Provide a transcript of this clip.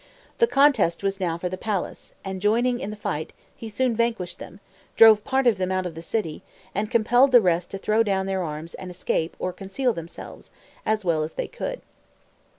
The contest was now for the palace, and joining in the fight, he soon vanquished them, drove part of them out of the city, and compelled the rest to throw down their arms and escape or conceal themselves, as well as they could.